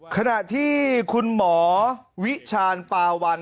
ขณะที่คุณหมอวิชาญปาวัน